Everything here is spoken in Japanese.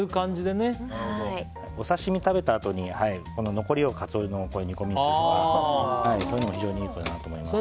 お刺し身を食べたあとに残りをカツオの煮込みにするとかそういうのも非常にいいかなと思います。